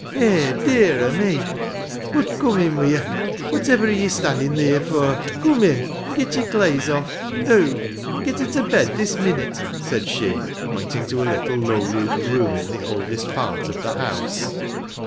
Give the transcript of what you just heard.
Eh, dear o' me! Bud cum in wi' ye! Whativver are ye stonnin' theer for? Cum in; an' get your claes off,— do ! An' get into bed, this minute," said she, pointing to a little, low roofed room in the oldest part of the house.